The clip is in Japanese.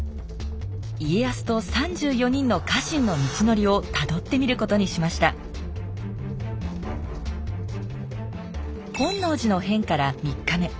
家康と３４人の家臣の道のりをたどってみることにしました本能寺の変から３日目。